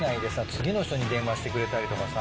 次の人に電話してくれたりとかさ。